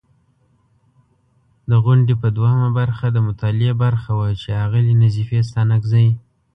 د غونډې په دوهمه برخه، د مطالعې برخه وه چې اغلې نظیفې ستانکزۍ